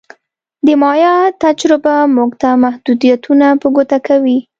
د مایا تجربه موږ ته محدودیتونه په ګوته کوي